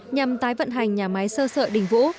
nhằm tái vận hành nhà máy sơ sợi đình vũ